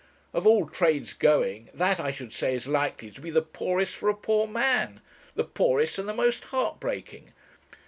Of all trades going, that, I should say, is likely to be the poorest for a poor man the poorest and the most heart breaking.